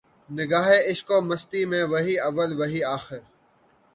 نگاہ عشق و مستی میں وہی اول وہی آخر